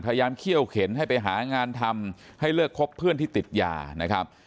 เขี้ยวเข็นให้ไปหางานทำให้เลิกคบเพื่อนที่ติดยานะครับ